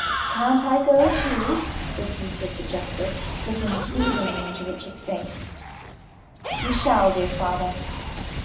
"Can't I go, too?" repeated the justice, looking pleadingly in Richard's face. "You shall, dear father.